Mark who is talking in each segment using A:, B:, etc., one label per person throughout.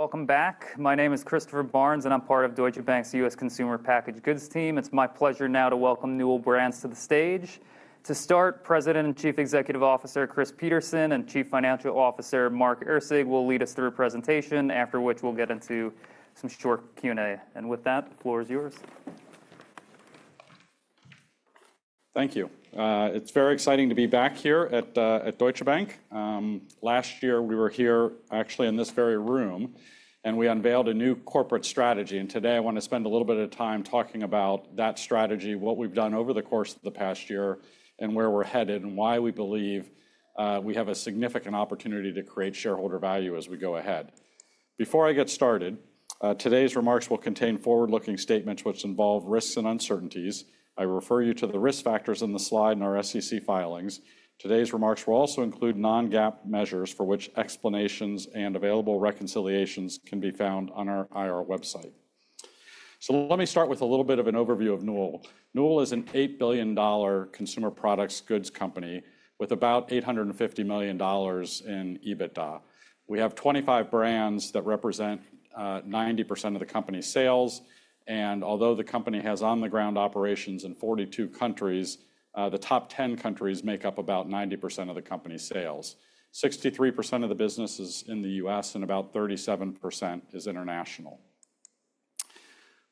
A: Welcome back. My name is Christopher Barnes, and I'm part of Deutsche Bank's U.S. Consumer Packaged Goods team. It's my pleasure now to welcome Newell Brands to the stage. To start, President and Chief Executive Officer, Chris Peterson, and Chief Financial Officer, Mark Erceg, will lead us through a presentation, after which we'll get into some short Q&A. With that, the floor is yours.
B: Thank you. It's very exciting to be back here at Deutsche Bank. Last year, we were here, actually in this very room, and we unveiled a new corporate strategy. Today, I want to spend a little bit of time talking about that strategy, what we've done over the course of the past year, and where we're headed, and why we believe we have a significant opportunity to create shareholder value as we go ahead. Before I get started, today's remarks will contain forward-looking statements which involve risks and uncertainties. I refer you to the risk factors in the slide and our SEC filings. Today's remarks will also include non-GAAP measures for which explanations and available reconciliations can be found on our IR website. Let me start with a little bit of an overview of Newell. Newell is an $8 billion consumer products goods company with about $850 million in EBITDA. We have 25 brands that represent 90% of the company's sales, and although the company has on-the-ground operations in 42 countries, the top 10 countries make up about 90% of the company's sales. 63% of the business is in the US, and about 37% is international.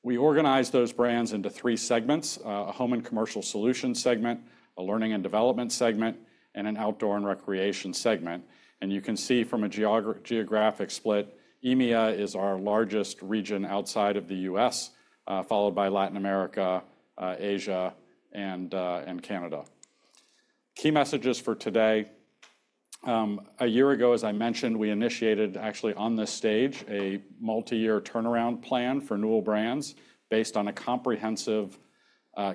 B: We organize those brands into three segments: a Home and Commercial Solutions segment, a learning and development segment, and an outdoor and recreation segment. And you can see from a geographic split, EMEA is our largest region outside of the US, followed by Latin America, Asia, and Canada. Key messages for today: A year ago, as I mentioned, we initiated, actually on this stage, a multi-year turnaround plan for Newell Brands based on a comprehensive,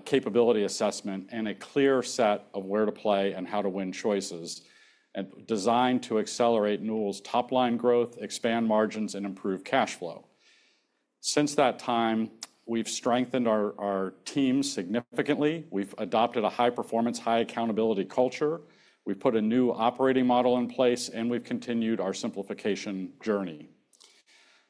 B: capability assessment and a clear set of where-to-play and how-to-win choices, and designed to accelerate Newell's top-line growth, expand margins, and improve cash flow. Since that time, we've strengthened our, our team significantly. We've adopted a high-performance, high-accountability culture. We've put a new operating model in place, and we've continued our simplification journey.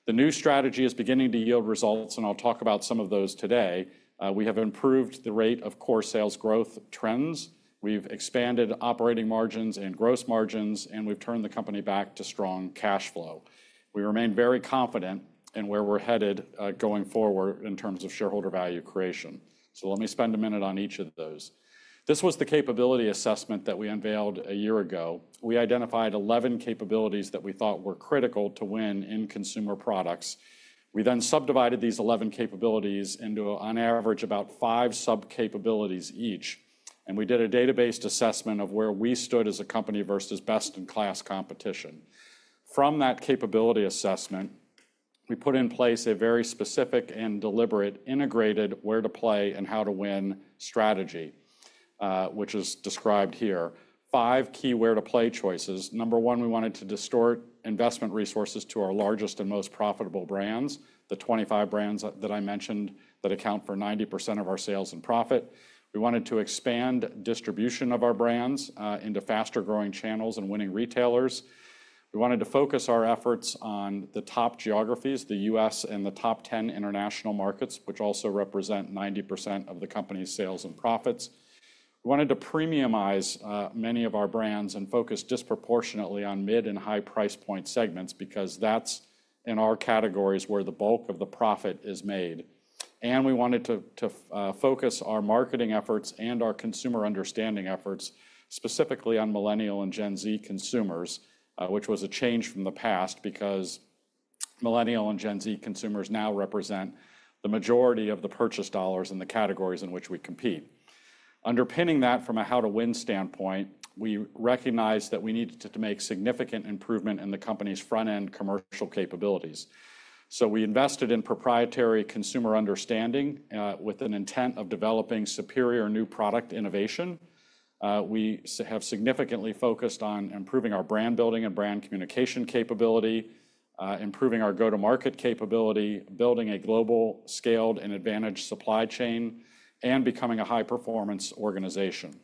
B: The new strategy is beginning to yield results, and I'll talk about some of those today. We have improved the rate of core sales growth trends. We've expanded operating margins and gross margins, and we've turned the company back to strong cash flow. We remain very confident in where we're headed, going forward in terms of shareholder value creation. So let me spend a minute on each of those. This was the capability assessment that we unveiled a year ago. We identified 11 capabilities that we thought were critical to win in consumer products. We then subdivided these 11 capabilities into, on average, about five sub-capabilities each, and we did a data-based assessment of where we stood as a company versus best-in-class competition. From that capability assessment, we put in place a very specific and deliberate, integrated, where-to-play and how-to-win strategy, which is described here. Five key where-to-play choices. Number one, we wanted to distort investment resources to our largest and most profitable brands, the 25 brands that, that I mentioned that account for 90% of our sales and profit. We wanted to expand distribution of our brands, into faster-growing channels and winning retailers. We wanted to focus our efforts on the top geographies, the U.S. and the top 10 international markets, which also represent 90% of the company's sales and profits. We wanted to premiumize many of our brands and focus disproportionately on mid and high price point segments because that's, in our categories, where the bulk of the profit is made. We wanted to focus our marketing efforts and our consumer understanding efforts specifically on Millennial and Gen Z consumers, which was a change from the past because Millennial and Gen Z consumers now represent the majority of the purchase dollars in the categories in which we compete. Underpinning that from a how-to-win standpoint, we recognized that we needed to make significant improvement in the company's front-end commercial capabilities. We invested in proprietary consumer understanding with an intent of developing superior new product innovation. We have significantly focused on improving our brand building and brand communication capability, improving our go-to-market capability, building a global, scaled, and advantaged supply chain, and becoming a high-performance organization.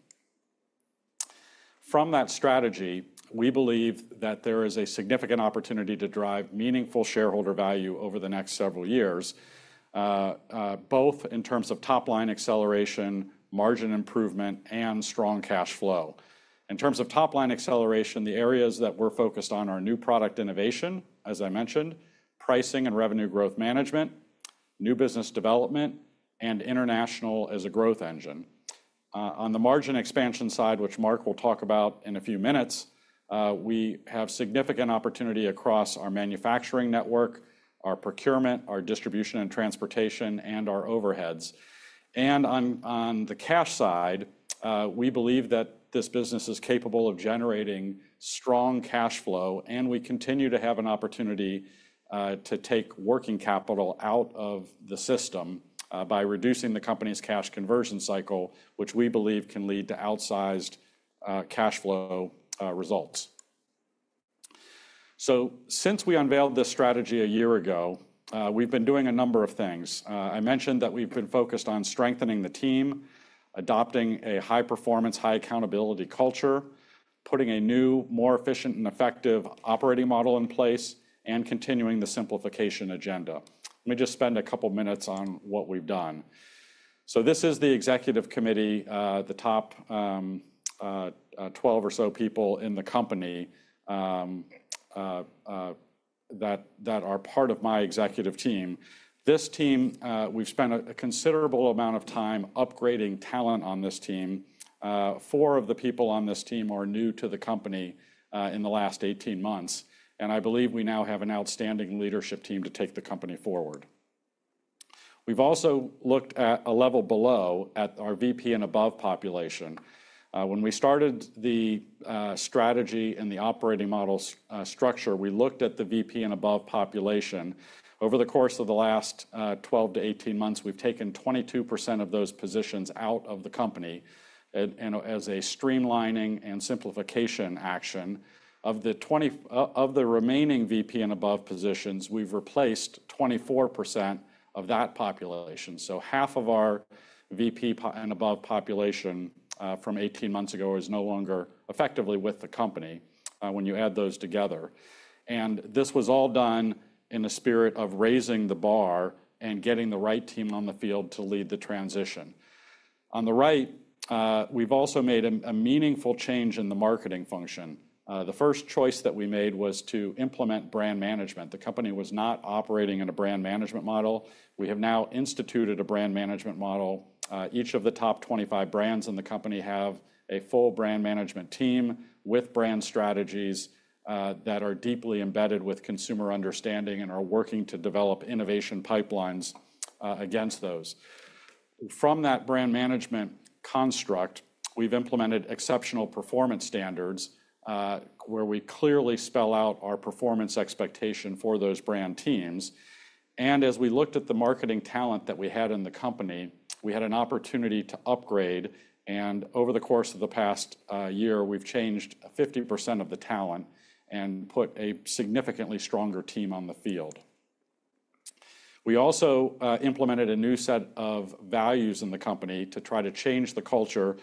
B: From that strategy, we believe that there is a significant opportunity to drive meaningful shareholder value over the next several years, both in terms of top-line acceleration, margin improvement, and strong cash flow. In terms of top-line acceleration, the areas that we're focused on are new product innovation, as I mentioned, pricing and revenue growth management, new business development, and international as a growth engine. On the margin expansion side, which Mark will talk about in a few minutes, we have significant opportunity across our manufacturing network, our procurement, our distribution and transportation, and our overheads. On the cash side, we believe that this business is capable of generating strong cash flow, and we continue to have an opportunity to take working capital out of the system by reducing the company's cash conversion cycle, which we believe can lead to outsized cash flow results. Since we unveiled this strategy a year ago, we've been doing a number of things. I mentioned that we've been focused on strengthening the team, adopting a high-performance, high-accountability culture, putting a new, more efficient and effective operating model in place, and continuing the simplification agenda. Let me just spend a couple minutes on what we've done... This is the executive committee, the top 12 or so people in the company that are part of my executive team. This team, we've spent a considerable amount of time upgrading talent on this team. Four of the people on this team are new to the company in the last 18 months, and I believe we now have an outstanding leadership team to take the company forward. We've also looked at a level below, at our VP and above population. When we started the strategy and the operating model structure, we looked at the VP and above population. Over the course of the last 12-18 months, we've taken 22% of those positions out of the company and as a streamlining and simplification action. Of the remaining VP and above positions, we've replaced 24% of that population. So half of our VP and above population from 18 months ago is no longer effectively with the company when you add those together. This was all done in the spirit of raising the bar and getting the right team on the field to lead the transition. On the right, we've also made a meaningful change in the marketing function. The first choice that we made was to implement brand management. The company was not operating in a brand management model. We have now instituted a brand management model. Each of the top 25 brands in the company have a full brand management team with brand strategies that are deeply embedded with consumer understanding and are working to develop innovation pipelines against those. From that brand management construct, we've implemented exceptional performance standards, where we clearly spell out our performance expectation for those brand teams. And as we looked at the marketing talent that we had in the company, we had an opportunity to upgrade, and over the course of the past year, we've changed 50% of the talent and put a significantly stronger team on the field. We also implemented a new set of values in the company to try to change the culture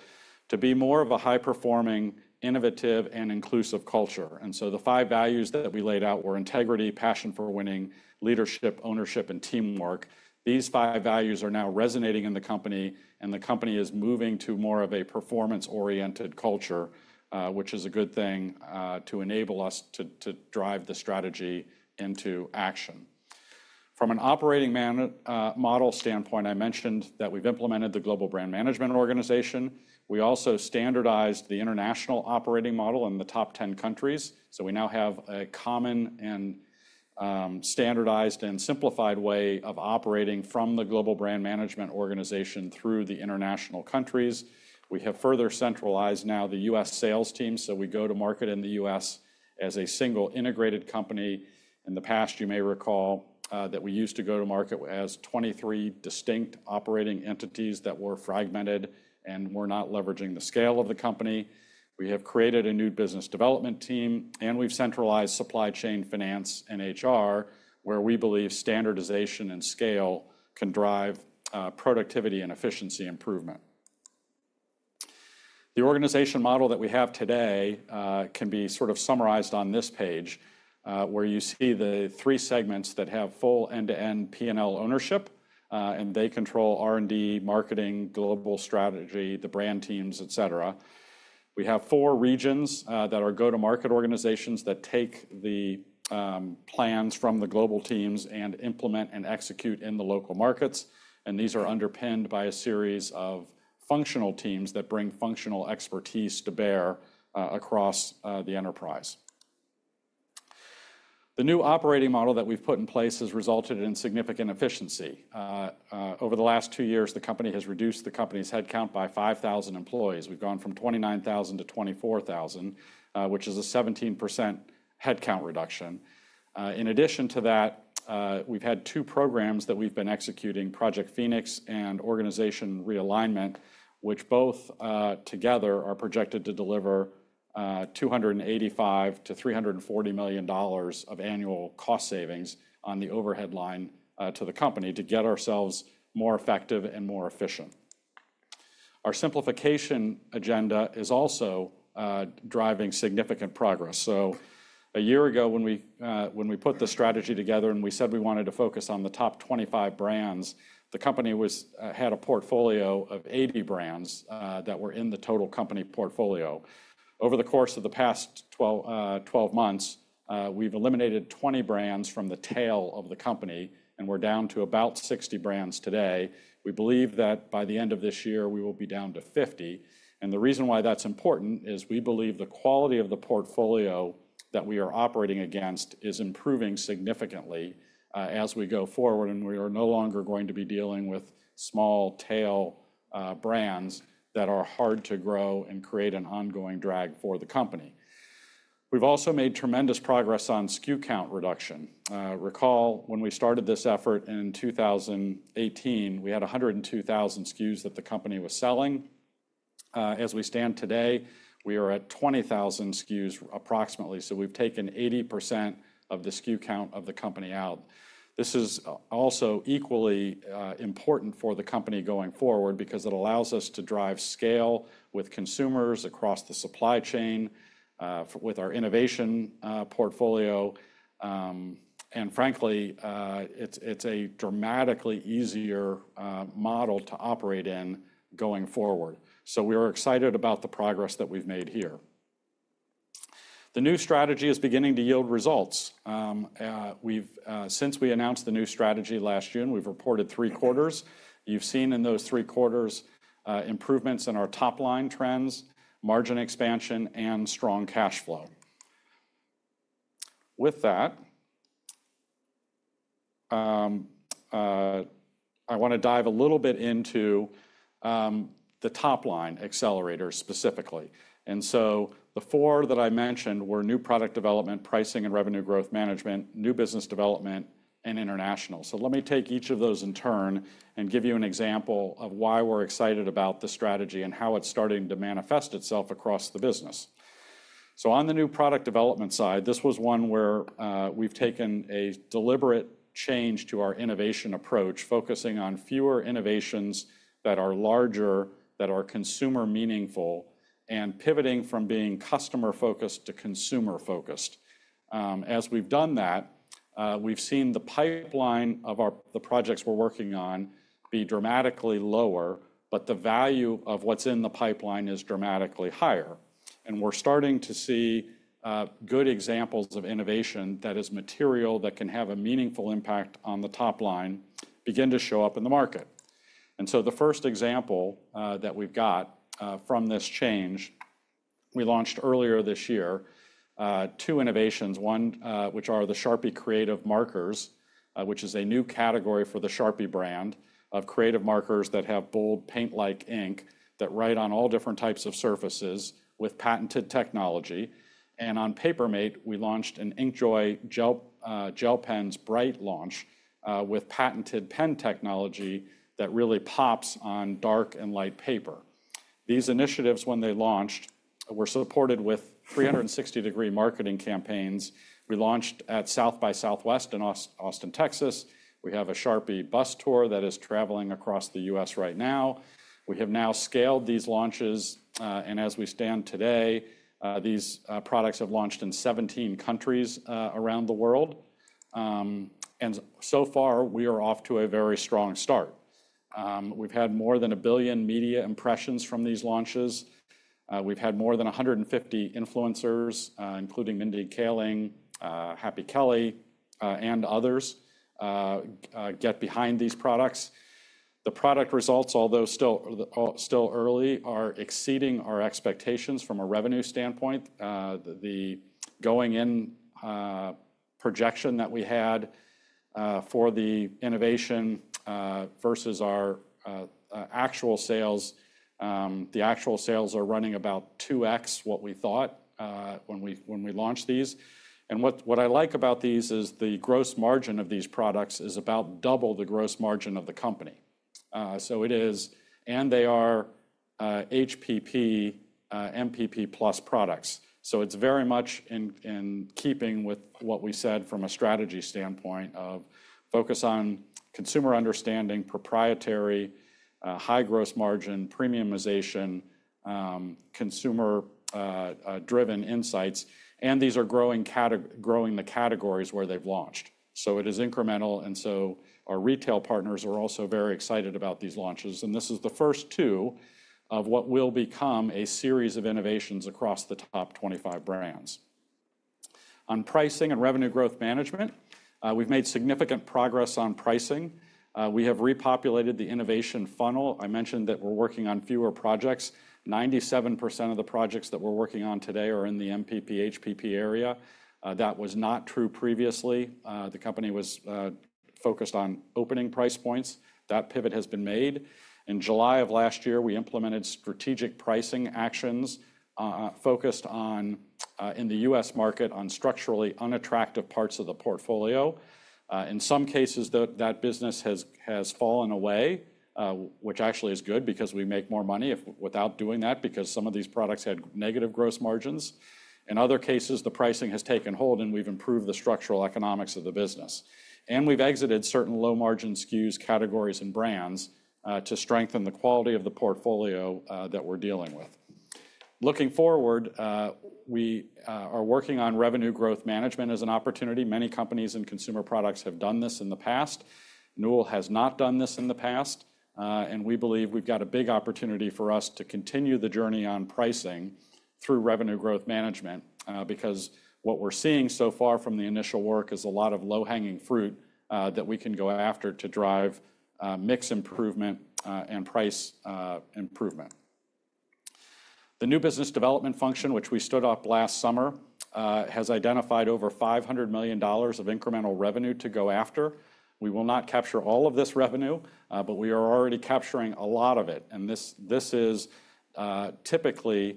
B: to be more of a high-performing, innovative, and inclusive culture. And so the five values that we laid out were integrity, passion for winning, leadership, ownership, and teamwork. These five values are now resonating in the company, and the company is moving to more of a performance-oriented culture, which is a good thing, to enable us to, to drive the strategy into action. From an operating model standpoint, I mentioned that we've implemented the global brand management organization. We also standardized the international operating model in the top 10 countries, so we now have a common and, standardized and simplified way of operating from the global brand management organization through the international countries. We have further centralized now the US sales team, so we go to market in the US as a single integrated company. In the past, you may recall, that we used to go to market as 23 distinct operating entities that were fragmented and were not leveraging the scale of the company. We have created a new business development team, and we've centralized supply chain finance and HR, where we believe standardization and scale can drive, productivity and efficiency improvement. The organization model that we have today, can be sort of summarized on this page, where you see the 3 segments that have full end-to-end P&L ownership, and they control R&D, marketing, global strategy, the brand teams, et cetera. We have four regions, that are go-to-market organizations that take the, plans from the global teams and implement and execute in the local markets, and these are underpinned by a series of functional teams that bring functional expertise to bear, across, the enterprise. The new operating model that we've put in place has resulted in significant efficiency. Over the last two years, the company has reduced the company's headcount by 5,000 employees. We've gone from 29,000 to 24,000, which is a 17% headcount reduction. In addition to that, we've had two programs that we've been executing, Project Phoenix and Organization Realignment, which both together are projected to deliver $285 million-$340 million of annual cost savings on the overhead line to the company to get ourselves more effective and more efficient. Our simplification agenda is also driving significant progress. So a year ago, when we put the strategy together, and we said we wanted to focus on the top 25 brands, the company had a portfolio of 80 brands that were in the total company portfolio. Over the course of the past 12 months, we've eliminated 20 brands from the tail of the company, and we're down to about 60 brands today. We believe that by the end of this year, we will be down to 50, and the reason why that's important is we believe the quality of the portfolio that we are operating against is improving significantly, as we go forward, and we are no longer going to be dealing with small tail brands that are hard to grow and create an ongoing drag for the company. We've also made tremendous progress on SKU count reduction. Recall when we started this effort in 2018, we had 102,000 SKUs that the company was selling. As we stand today, we are at 20,000 SKUs approximately, so we've taken 80% of the SKU count of the company out. This is also equally important for the company going forward because it allows us to drive scale with consumers across the supply chain with our innovation portfolio. And frankly, it's a dramatically easier model to operate in going forward. So we are excited about the progress that we've made here. The new strategy is beginning to yield results. We've since we announced the new strategy last June, we've reported three quarters. You've seen in those three quarters improvements in our top-line trends, margin expansion, and strong cash flow. With that, I wanna dive a little bit into the top-line accelerators specifically. So the four that I mentioned were new product development, pricing and Revenue Growth Management, new business development, and international. So let me take each of those in turn and give you an example of why we're excited about the strategy and how it's starting to manifest itself across the business. So on the new product development side, this was one where we've taken a deliberate change to our innovation approach, focusing on fewer innovations that are larger, that are consumer meaningful, and pivoting from being customer-focused to consumer-focused. As we've done that, we've seen the pipeline of the projects we're working on be dramatically lower, but the value of what's in the pipeline is dramatically higher. We're starting to see good examples of innovation that is material that can have a meaningful impact on the top line begin to show up in the market. So the first example that we've got from this change, we launched earlier this year two innovations, one, which are the Sharpie Creative Markers, which is a new category for the Sharpie brand of creative markers that have bold, paint-like ink that write on all different types of surfaces with patented technology. And on Paper Mate, we launched an InkJoy Gel Bright launch with patented pen technology that really pops on dark and light paper. These initiatives, when they launched, were supported with 360-degree marketing campaigns. We launched at South by Southwest in Austin, Texas. We have a Sharpie bus tour that is traveling across the U.S. right now. We have now scaled these launches, and as we stand today, these products have launched in 17 countries around the world. And so far, we are off to a very strong start. We've had more than 1 billion media impressions from these launches. We've had more than 150 influencers, including Mindy Kaling, Happy Kelli, and others, get behind these products. The product results, although still early, are exceeding our expectations from a revenue standpoint. The going-in projection that we had for the innovation versus our actual sales, the actual sales are running about 2x what we thought when we launched these. What I like about these is the gross margin of these products is about double the gross margin of the company. So it is. And they are HPP, MPP plus products. So it's very much in keeping with what we said from a strategy standpoint of focus on consumer understanding, proprietary, high gross margin, premiumization, consumer driven insights, and these are growing the categories where they've launched. So it is incremental, and so our retail partners are also very excited about these launches, and this is the first two of what will become a series of innovations across the top 25 brands. On pricing and revenue growth management, we've made significant progress on pricing. We have repopulated the innovation funnel. I mentioned that we're working on fewer projects. 97% of the projects that we're working on today are in the MPP, HPP area. That was not true previously. The company was focused on opening price points. That pivot has been made. In July of last year, we implemented strategic pricing actions focused on in the US market, on structurally unattractive parts of the portfolio. In some cases, that business has fallen away, which actually is good because we make more money if without doing that, because some of these products had negative gross margins. In other cases, the pricing has taken hold, and we've improved the structural economics of the business. We've exited certain low-margin SKUs, categories, and brands to strengthen the quality of the portfolio that we're dealing with. Looking forward, we are working on revenue growth management as an opportunity. Many companies and consumer products have done this in the past. Newell has not done this in the past, and we believe we've got a big opportunity for us to continue the journey on pricing through Revenue Growth Management, because what we're seeing so far from the initial work is a lot of low-hanging fruit that we can go after to drive mix improvement, and price improvement. The new business development function, which we stood up last summer, has identified over $500 million of incremental revenue to go after. We will not capture all of this revenue, but we are already capturing a lot of it, and this, this is, typically,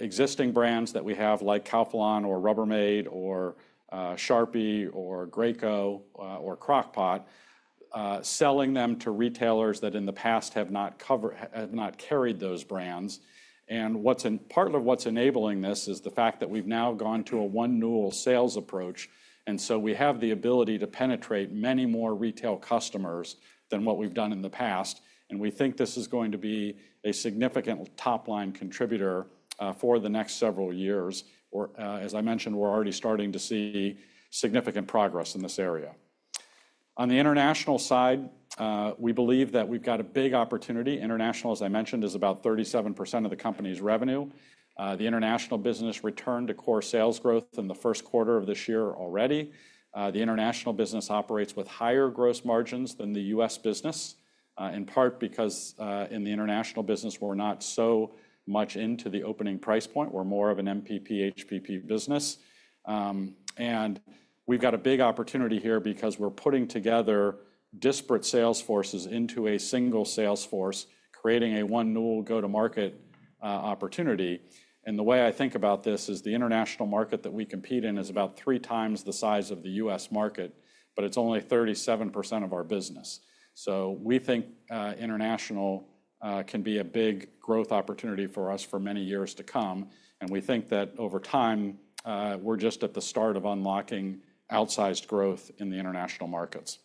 B: existing brands that we have, like Calphalon or Rubbermaid or, Sharpie or Graco, or Crock-Pot, selling them to retailers that in the past have not carried those brands. And part of what's enabling this is the fact that we've now gone to a one Newell sales approach, and so we have the ability to penetrate many more retail customers than what we've done in the past, and we think this is going to be a significant top-line contributor, for the next several years. Or, as I mentioned, we're already starting to see significant progress in this area. On the international side, we believe that we've got a big opportunity. International, as I mentioned, is about 37% of the company's revenue. The international business returned to core sales growth in the first quarter of this year already. The international business operates with higher gross margins than the US business, in part because, in the international business, we're not so much into the opening price point. We're more of an MPP, HPP business. And we've got a big opportunity here because we're putting together disparate sales forces into a single sales force, creating a one Newell go-to-market, opportunity. And the way I think about this is the international market that we compete in is about three times the size of the U.S market, but it's only 37% of our business. So we think, international, can be a big growth opportunity for us for many years to come, and we think that over time, we're just at the start of unlocking outsized growth in the international markets.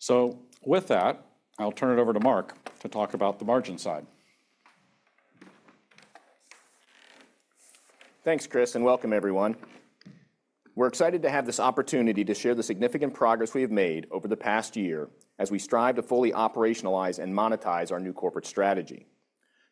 B: So with that, I'll turn it over to Mark to talk about the margin side.
C: Thanks, Chris, and welcome everyone. We're excited to have this opportunity to share the significant progress we have made over the past year as we strive to fully operationalize and monetize our new corporate strategy.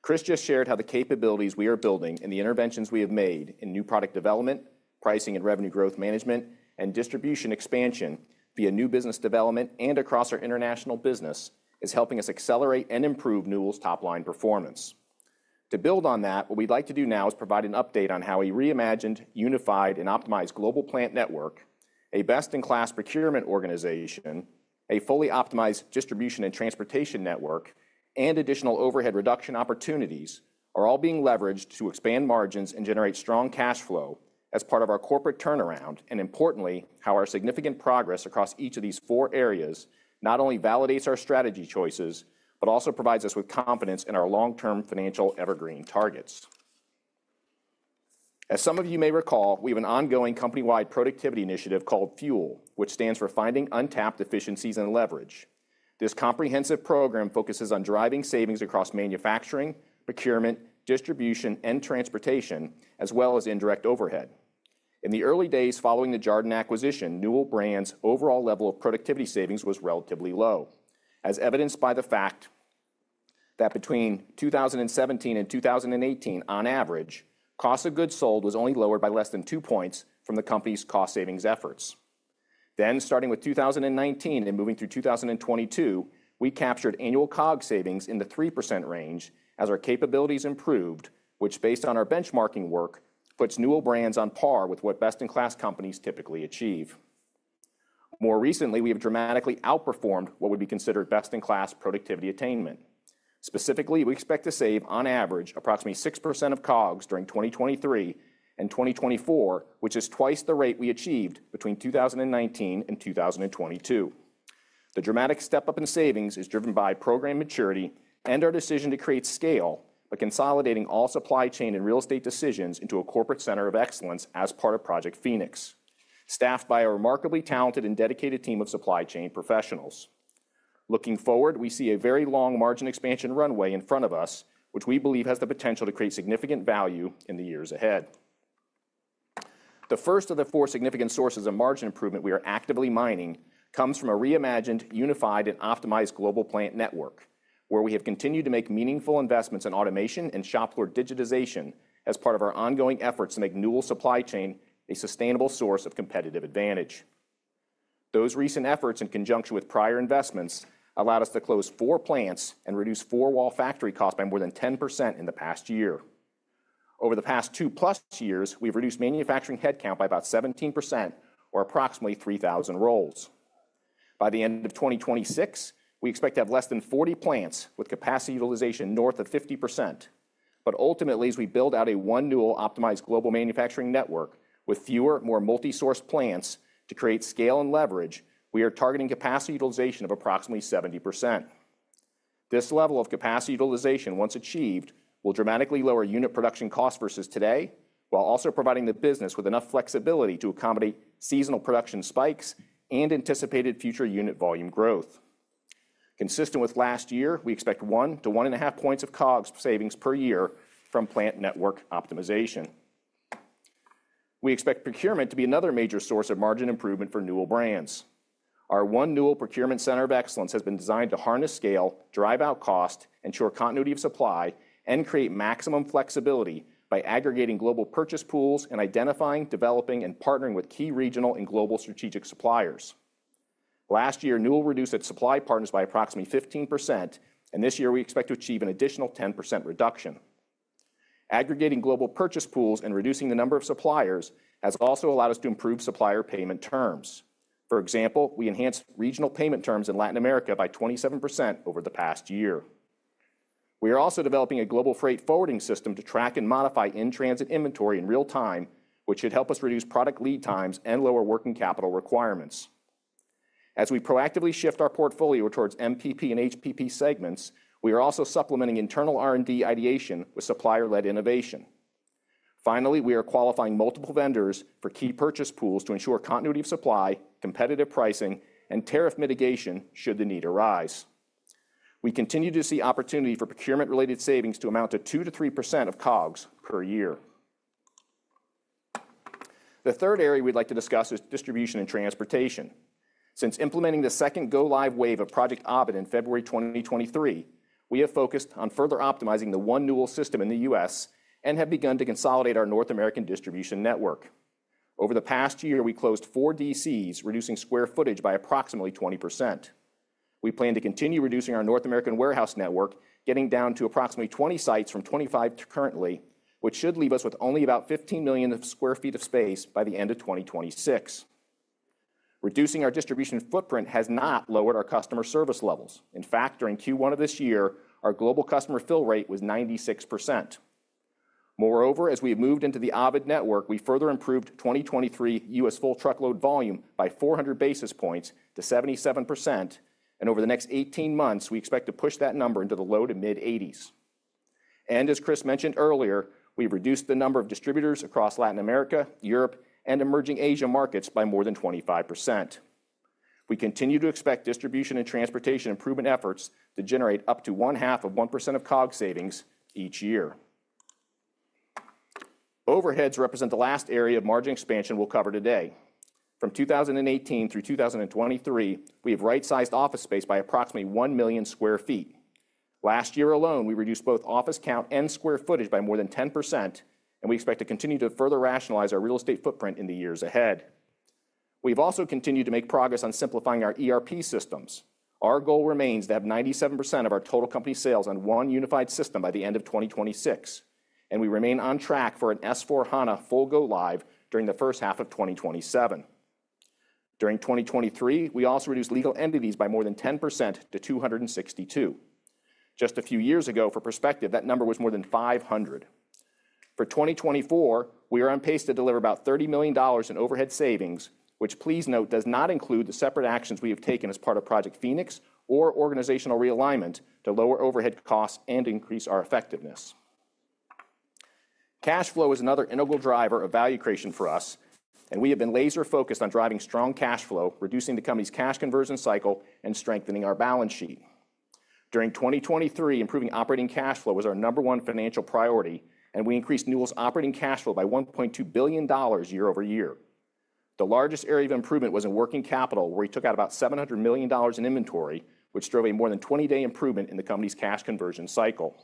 C: Chris just shared how the capabilities we are building and the interventions we have made in new product development, pricing and revenue growth management, and distribution expansion via new business development and across our international business, is helping us accelerate and improve Newell's top-line performance. To build on that, what we'd like to do now is provide an update on how a reimagined, unified, and optimized global plant network, a best-in-class procurement organization, a fully optimized distribution and transportation network, and additional overhead reduction opportunities are all being leveraged to expand margins and generate strong cash flow as part of our corporate turnaround, and importantly, how our significant progress across each of these four areas not only validates our strategy choices, but also provides us with confidence in our long-term financial evergreen targets. As some of you may recall, we have an ongoing company-wide productivity initiative called FUEL, which stands for Finding Untapped Efficiencies and Leverage. This comprehensive program focuses on driving savings across manufacturing, procurement, distribution, and transportation, as well as indirect overhead. In the early days following the Jarden acquisition, Newell Brands' overall level of productivity savings was relatively low, as evidenced by the fact that between 2017 and 2018, on average, cost of goods sold was only lowered by less than two points from the company's cost savings efforts. Then, starting with 2019 and moving through 2022, we captured annual COGS savings in the 3% range as our capabilities improved, which, based on our benchmarking work, puts Newell Brands on par with what best-in-class companies typically achieve. More recently, we have dramatically outperformed what would be considered best-in-class productivity attainment. Specifically, we expect to save, on average, approximately 6% of COGS during 2023 and 2024, which is twice the rate we achieved between 2019 and 2022. The dramatic step up in savings is driven by program maturity and our decision to create scale by consolidating all supply chain and real estate decisions into a corporate center of excellence as part of Project Phoenix, staffed by a remarkably talented and dedicated team of supply chain professionals. Looking forward, we see a very long margin expansion runway in front of us, which we believe has the potential to create significant value in the years ahead. The first of the four significant sources of margin improvement we are actively mining comes from a reimagined, unified, and optimized global plant network, where we have continued to make meaningful investments in automation and shop floor digitization as part of our ongoing efforts to make Newell supply chain a sustainable source of competitive advantage. Those recent efforts, in conjunction with prior investments, allowed us to close four plants and reduce four-wall factory costs by more than 10% in the past year. Over the past 2+ years, we've reduced manufacturing headcount by about 17%, or approximately 3,000 roles. By the end of 2026, we expect to have less than 40 plants with capacity utilization north of 50%. But ultimately, as we build out a one Newell optimized global manufacturing network with fewer, more multi-sourced plants to create scale and leverage, we are targeting capacity utilization of approximately 70%. This level of capacity utilization, once achieved, will dramatically lower unit production costs versus today, while also providing the business with enough flexibility to accommodate seasonal production spikes and anticipated future unit volume growth. Consistent with last year, we expect 1-1.5 points of COGS savings per year from plant network optimization. We expect procurement to be another major source of margin improvement for Newell Brands. Our One Newell procurement center of excellence has been designed to harness scale, drive out cost, ensure continuity of supply, and create maximum flexibility by aggregating global purchase pools and identifying, developing, and partnering with key regional and global strategic suppliers. Last year, Newell reduced its supply partners by approximately 15%, and this year, we expect to achieve an additional 10% reduction. Aggregating global purchase pools and reducing the number of suppliers has also allowed us to improve supplier payment terms. For example, we enhanced regional payment terms in Latin America by 27% over the past year. We are also developing a global freight forwarding system to track and modify in-transit inventory in real time, which should help us reduce product lead times and lower working capital requirements. As we proactively shift our portfolio towards MPP and HPP segments, we are also supplementing internal R&D ideation with supplier-led innovation. Finally, we are qualifying multiple vendors for key purchase pools to ensure continuity of supply, competitive pricing, and tariff mitigation should the need arise. We continue to see opportunity for procurement-related savings to amount to 2%-3% of COGS per year. The third area we'd like to discuss is distribution and transportation. Since implementing the second go-live wave of Project Ovid in February 2023, we have focused on further optimizing the one Newell system in the U.S. and have begun to consolidate our North American distribution network. Over the past year, we closed four DCs, reducing square footage by approximately 20%. We plan to continue reducing our North American warehouse network, getting down to approximately 20 sites from 25 currently, which should leave us with only about 15 million sq ft of space by the end of 2026. Reducing our distribution footprint has not lowered our customer service levels. In fact, during Q1 of this year, our global customer fill rate was 96%. Moreover, as we have moved into the Ovid network, we further improved 2023 U.S. full truckload volume by 400 basis points to 77%, and over the next 18 months, we expect to push that number into the low to mid-80s. And as Chris mentioned earlier, we've reduced the number of distributors across Latin America, Europe, and emerging Asia markets by more than 25%. We continue to expect distribution and transportation improvement efforts to generate up to 0.5% of COGS savings each year. Overheads represent the last area of margin expansion we'll cover today. From 2018 through 2023, we have right-sized office space by approximately 1 million sq ft. Last year alone, we reduced both office count and square footage by more than 10%, and we expect to continue to further rationalize our real estate footprint in the years ahead. We've also continued to make progress on simplifying our ERP systems. Our goal remains to have 97% of our total company sales on one unified system by the end of 2026, and we remain on track for an S/4HANA full go live during the first half of 2027. During 2023, we also reduced legal entities by more than 10% to 262. Just a few years ago, for perspective, that number was more than 500. For 2024, we are on pace to deliver about $30 million in overhead savings, which, please note, does not include the separate actions we have taken as part of Project Phoenix or organizational realignment to lower overhead costs and increase our effectiveness. Cash flow is another integral driver of value creation for us, and we have been laser-focused on driving strong cash flow, reducing the company's cash conversion cycle, and strengthening our balance sheet. During 2023, improving operating cash flow was our number one financial priority, and we increased Newell's operating cash flow by $1.2 billion year-over-year. The largest area of improvement was in working capital, where we took out about $700 million in inventory, which drove a more than 20 day improvement in the company's cash conversion cycle.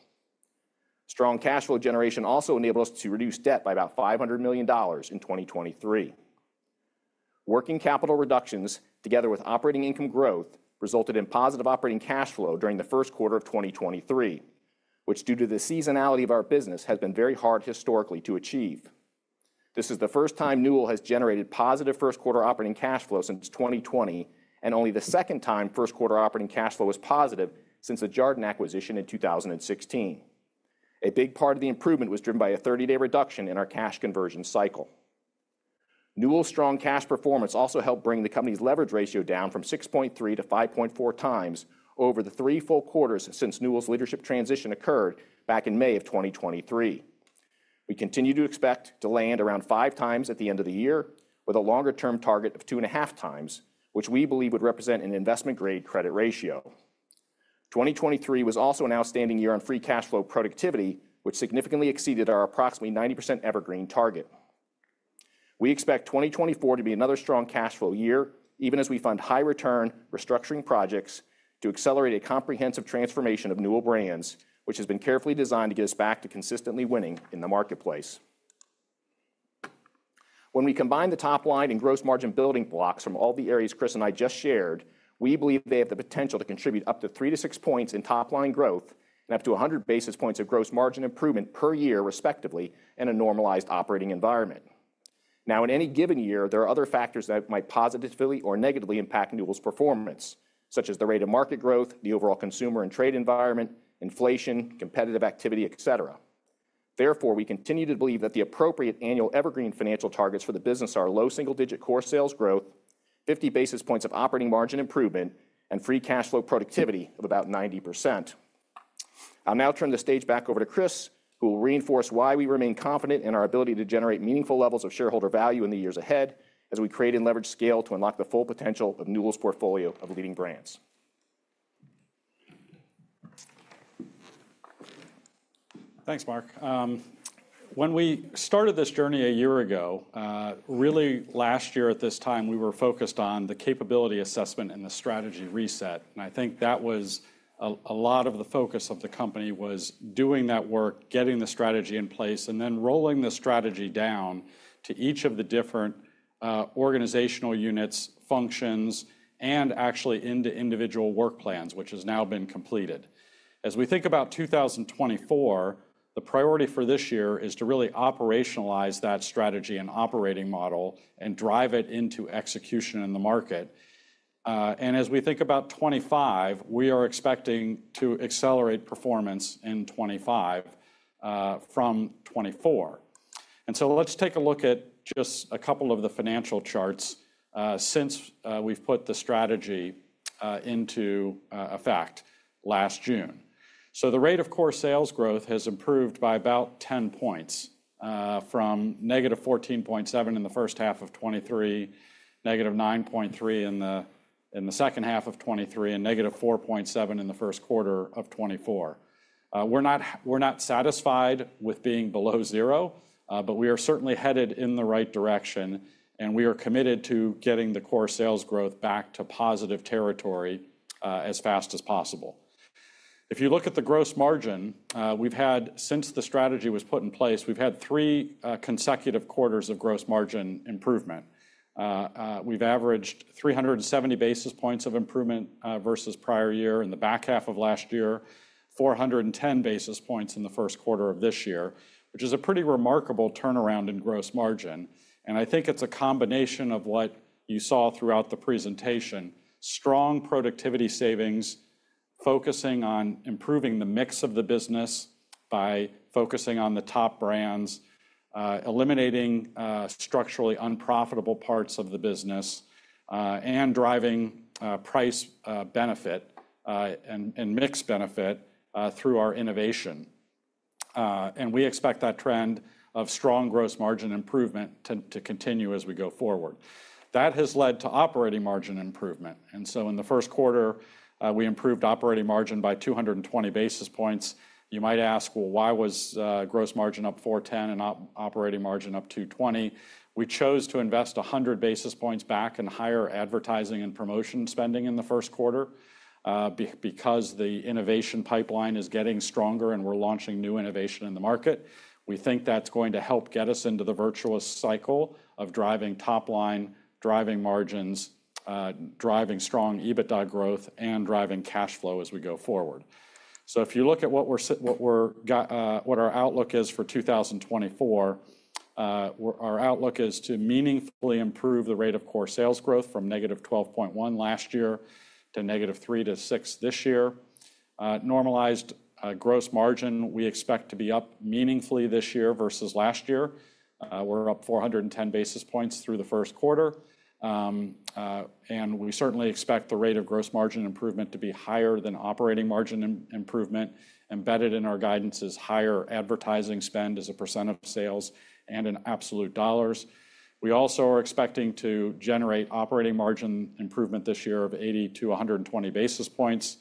C: Strong cash flow generation also enabled us to reduce debt by about $500 million in 2023. Working capital reductions, together with operating income growth, resulted in positive operating cash flow during the first quarter of 2023, which, due to the seasonality of our business, has been very hard historically to achieve. This is the first time Newell has generated positive first quarter operating cash flow since 2020, and only the second time first quarter operating cash flow was positive since the Jarden acquisition in 2016. A big part of the improvement was driven by a 30 day reduction in our cash conversion cycle. Newell’s strong cash performance also helped bring the company’s leverage ratio down from 6.3x - 5.4x over the three full quarters since Newell’s leadership transition occurred back in May 2023. We continue to expect to land around 5x at the end of the year, with a longer-term target of 2.5x, which we believe would represent an investment-grade credit ratio. 2023 was also an outstanding year on free cash flow productivity, which significantly exceeded our approximately 90% evergreen target. We expect 2024 to be another strong cash flow year, even as we fund high return restructuring projects to accelerate a comprehensive transformation of Newell Brands, which has been carefully designed to get us back to consistently winning in the marketplace. When we combine the top line and gross margin building blocks from all the areas Chris and I just shared, we believe they have the potential to contribute up to 3-6 points in top-line growth and up to 100 basis points of gross margin improvement per year, respectively, in a normalized operating environment. Now, in any given year, there are other factors that might positively or negatively impact Newell's performance, such as the rate of market growth, the overall consumer and trade environment, inflation, competitive activity, et cetera. Therefore, we continue to believe that the appropriate annual evergreen financial targets for the business are low single-digit core sales growth, 50 basis points of operating margin improvement, and free cash flow productivity of about 90%. I'll now turn the stage back over to Chris, who will reinforce why we remain confident in our ability to generate meaningful levels of shareholder value in the years ahead as we create and leverage scale to unlock the full potential of Newell's portfolio of leading brands.
B: Thanks, Mark. When we started this journey a year ago, really last year at this time, we were focused on the capability assessment and the strategy reset, and I think that was a lot of the focus of the company was doing that work, getting the strategy in place, and then rolling the strategy down to each of the different organizational units, functions, and actually into individual work plans, which has now been completed. As we think about 2024, the priority for this year is to really operationalize that strategy and operating model and drive it into execution in the market. And as we think about 2025, we are expecting to accelerate performance in 2025 from 2024. Let's take a look at just a couple of the financial charts, since we've put the strategy into effect last June. The rate of core sales growth has improved by about 10 points, from -14.7 in the first half of 2023, -9.3 in the second half of 2023, and -4.7 in the first quarter of 2024. We're not satisfied with being below zero, but we are certainly headed in the right direction, and we are committed to getting the core sales growth back to positive territory as fast as possible. If you look at the gross margin, we've had, since the strategy was put in place, three consecutive quarters of gross margin improvement. We've averaged 370 basis points of improvement versus prior year in the back half of last year, 410 basis points in the first quarter of this year, which is a pretty remarkable turnaround in gross margin. I think it's a combination of what you saw throughout the presentation: strong productivity savings, focusing on improving the mix of the business by focusing on the top brands, eliminating structurally unprofitable parts of the business, and driving price benefit and mix benefit through our innovation. We expect that trend of strong gross margin improvement to continue as we go forward. That has led to operating margin improvement, and so in the first quarter, we improved operating margin by 220 basis points. You might ask, "Well, why was gross margin up 410 and operating margin up 220?" We chose to invest 100 basis points back in higher advertising and promotion spending in the first quarter, because the innovation pipeline is getting stronger, and we're launching new innovation in the market. We think that's going to help get us into the virtuous cycle of driving top line, driving margins, driving strong EBITDA growth, and driving cash flow as we go forward. So if you look at what our outlook is for 2024, our outlook is to meaningfully improve the rate of core sales growth from -12.1 last year to -3 - 6 this year. Normalized gross margin, we expect to be up meaningfully this year versus last year. We're up 410 basis points through the first quarter. We certainly expect the rate of gross margin improvement to be higher than operating margin improvement. Embedded in our guidance is higher advertising spend as a percentage of sales and in absolute dollars. We also are expecting to generate operating margin improvement this year of 80-120 basis points.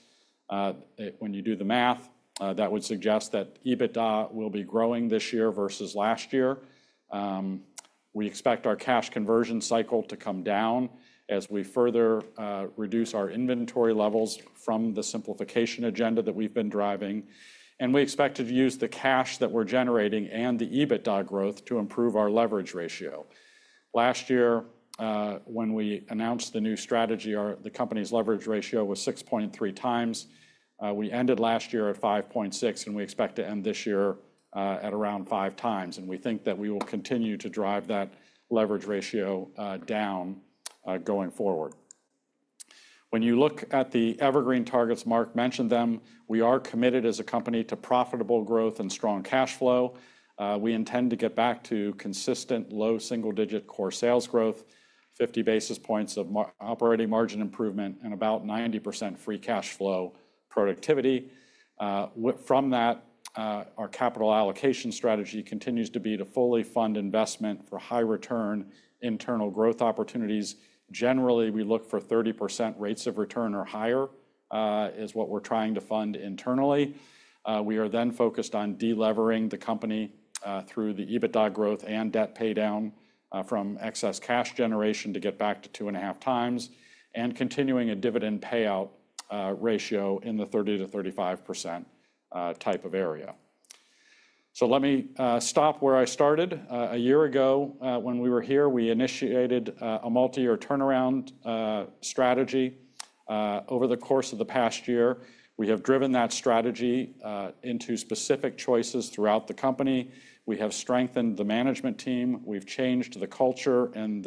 B: When you do the math, that would suggest that EBITDA will be growing this year versus last year. We expect our cash conversion cycle to come down as we further reduce our inventory levels from the simplification agenda that we've been driving, and we expect to use the cash that we're generating and the EBITDA growth to improve our leverage ratio. Last year, when we announced the new strategy, the company's leverage ratio was 6.3x. We ended last year at 5.6, and we expect to end this year at around 5x, and we think that we will continue to drive that leverage ratio down going forward. When you look at the evergreen targets, Mark mentioned them, we are committed as a company to profitable growth and strong cash flow. We intend to get back to consistent low single-digit core sales growth, 50 basis points of operating margin improvement, and about 90% free cash flow productivity. From that, our capital allocation strategy continues to be to fully fund investment for high return internal growth opportunities. Generally, we look for 30% rates of return or higher is what we're trying to fund internally. We are then focused on delevering the company, through the EBITDA growth and debt paydown, from excess cash generation to get back to 2.5x and continuing a dividend payout ratio in the 30%-35% type of area. So let me stop where I started. A year ago, when we were here, we initiated a multi-year turnaround strategy. Over the course of the past year, we have driven that strategy into specific choices throughout the company. We have strengthened the management team. We've changed the culture and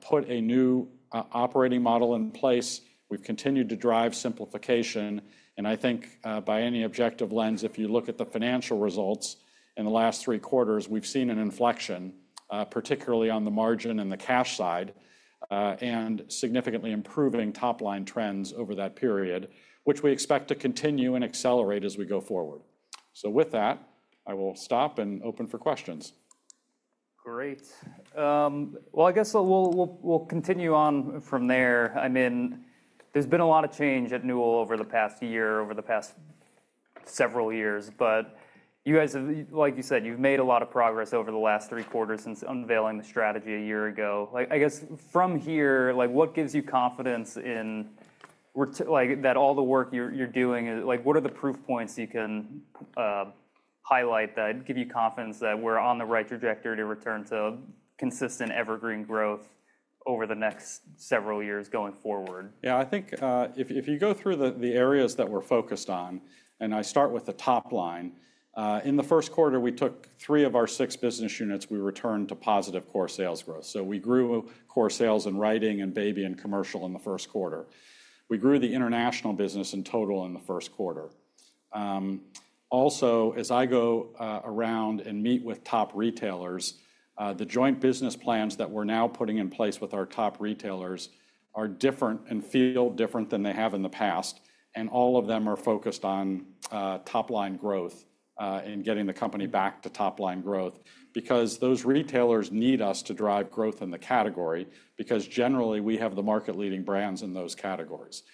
B: put a new operating model in place. We've continued to drive simplification, and I think, by any objective lens, if you look at the financial results in the last three quarters, we've seen an inflection, particularly on the margin and the cash side, and significantly improving top-line trends over that period, which we expect to continue and accelerate as we go forward. So with that, I will stop and open for questions.
A: Great. Well, I guess we'll continue on from there. I mean, there's been a lot of change at Newell over the past year, over the past several years, but you guys have... Like you said, you've made a lot of progress over the last three quarters since unveiling the strategy a year ago. Like, I guess from here, like, what gives you confidence in we're like, that all the work you're doing is. Like, what are the proof points you can highlight that give you confidence that we're on the right trajectory to return to consistent evergreen growth over the next several years going forward?
B: Yeah, I think, if you go through the areas that we're focused on, and I start with the top line, in the first quarter, we took three of our six business units, we returned to positive core sales growth. So we grew core sales in writing and baby and commercial in the first quarter. We grew the international business in total in the first quarter. Also, as I go around and meet with top retailers, the joint business plans that we're now putting in place with our top retailers are different and feel different than they have in the past, and all of them are focused on top-line growth, and getting the company back to top-line growth. Because those retailers need us to drive growth in the category, because generally, we have the market-leading brands in those categories.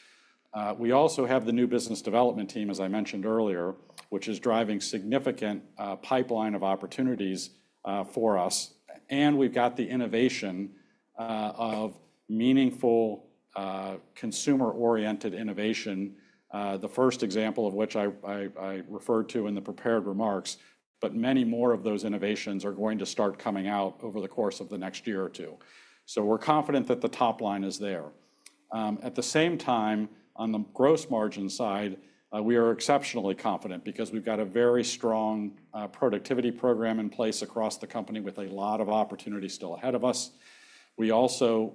B: We also have the new business development team, as I mentioned earlier, which is driving significant pipeline of opportunities for us, and we've got the innovation of meaningful consumer-oriented innovation. The first example of which I referred to in the prepared remarks, but many more of those innovations are going to start coming out over the course of the next year or two. So we're confident that the top line is there. At the same time, on the gross margin side, we are exceptionally confident because we've got a very strong productivity program in place across the company with a lot of opportunity still ahead of us. We also,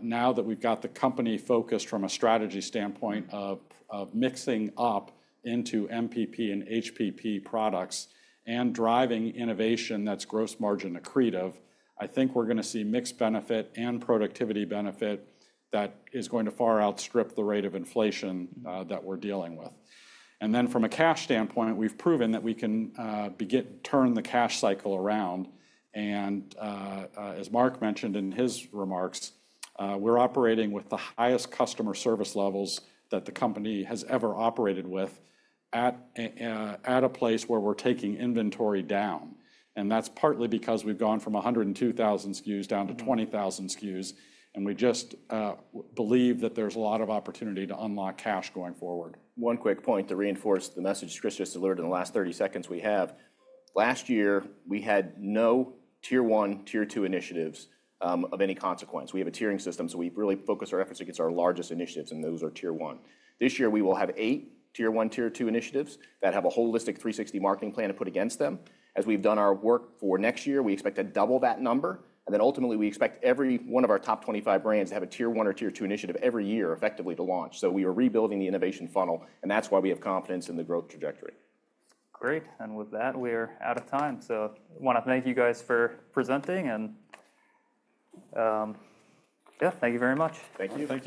B: now that we've got the company focused from a strategy standpoint of, of mixing up into MPP and HPP products and driving innovation that's gross margin accretive, I think we're going to see mixed benefit and productivity benefit that is going to far outstrip the rate of inflation, that we're dealing with. And then from a cash standpoint, we've proven that we can turn the cash cycle around, and, as Mark mentioned in his remarks, we're operating with the highest customer service levels that the company has ever operated with at a place where we're taking inventory down, and that's partly because we've gone from 102,000 SKUs down to 20,000 SKUs, and we just believe that there's a lot of opportunity to unlock cash going forward.
A: One quick point to reinforce the message Chris just delivered in the last 30 seconds we have. Last year, we had no Tier One, Tier Two initiatives of any consequence. We have a tiering system, so we really focus our efforts against our largest initiatives, and those are Tier One. This year, we will have eight Tier One, Tier Two initiatives that have a holistic 360 marketing plan to put against them. As we've done our work for next year, we expect to double that number, and then ultimately, we expect every one of our top 25 brands to have a Tier One or Tier Two initiative every year, effectively to launch. So we are rebuilding the innovation funnel, and that's why we have confidence in the growth trajectory.
D: Great, and with that, we're out of time. I want to thank you guys for presenting and, yeah, thank you very much.
B: Thank you.
C: Thank you.